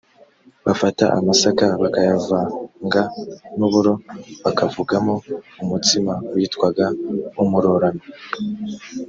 bafata amasaka bakayavanga n’uburo bakavugamo umutsima witwaga umurorano